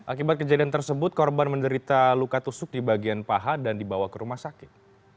akibat kejadian tersebut korban menderita luka tusuk di bagian paha dan dibawa ke rumah sakit